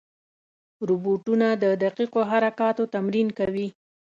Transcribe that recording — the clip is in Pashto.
روبوټونه د دقیقو حرکاتو تمرین کوي.